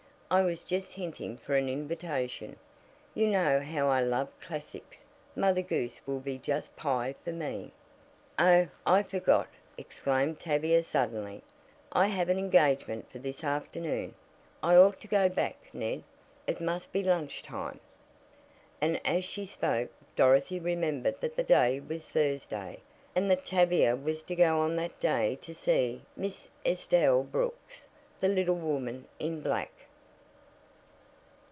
"I was just hinting for an invitation. You know how I love classics Mother Goose will be just pie for me." "Oh, I forgot," exclaimed Tavia suddenly. "I have an engagement for this afternoon. I ought to go back, Ned. It must be lunch time." And, as she spoke, Dorothy remembered that the day was Thursday, and that Tavia was to go on that day to see Miss Estelle Brooks, the little woman in black.